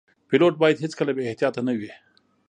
پیلوټ باید هیڅکله بې احتیاطه نه وي.